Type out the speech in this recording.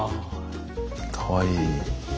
かわいい。